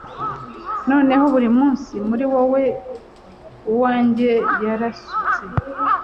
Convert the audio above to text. noneho burimunsi, muri wewe, uwanjye yarasutse